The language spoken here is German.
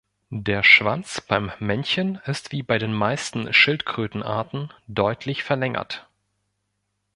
Der Schwanz beim Männchen ist wie bei den meisten Schildkrötenarten deutlich verlängert.